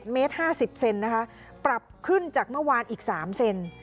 เมตร๕๐เซนนะคะปรับขึ้นจากเมื่อวานอีก๓เซน